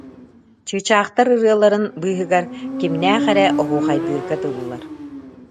чыычаахтар ырыаларын быыһыгар кимнээх эрэ оһуохайдыырга дылылар